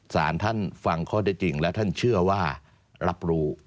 สารท่านฟังข้อได้จริงและท่านเชื่อว่ารับรู้